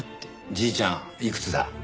じいちゃんいくつだ？